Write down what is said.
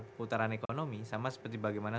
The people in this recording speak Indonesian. pemutaran ekonomi sama seperti bagaimana